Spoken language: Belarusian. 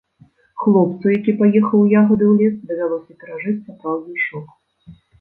Хлопцу, які паехаў у ягады ў лес, давялося перажыць сапраўдны шок.